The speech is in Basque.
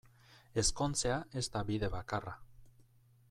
Ezkontzea ez da bide bakarra.